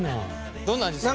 どんな味する？